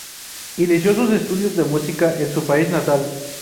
Inició sus estudios de música en su país natal.